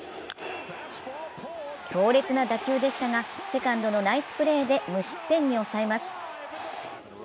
強烈な打球でしたが、セカンドのナイスプレーで無失点に抑えます。